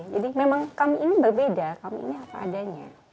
jadi memang kami ini berbeda kami ini apa adanya